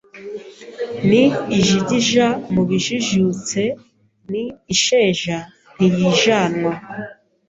Ni ijigija mu bajijutse Ni isheja ntiyijanwa